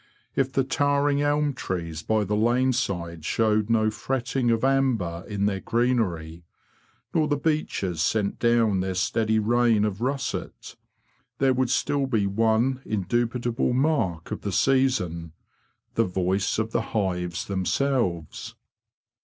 If the towering elm trees by the lane side showed no fretting of amber in their greenery, nor the beeches sent down their steady rain of russet, there would still be one indubitable mark of the season—the voice of the hives themselves.